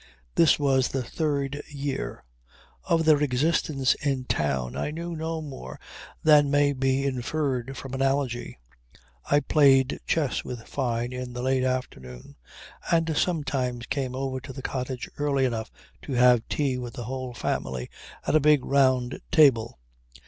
This was the third year. Of their existence in town I knew no more than may be inferred from analogy. I played chess with Fyne in the late afternoon, and sometimes came over to the cottage early enough to have tea with the whole family at a big round table.